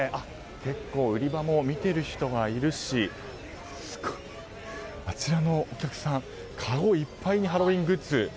結構、売り場にも見ている人がいるしあちらのお客さんかごいっぱいにハロウィーングッズ。